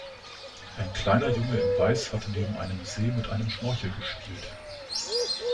Ein kleiner Junge in Weiß hatte neben einem See mit einem Schnorchel gespielt.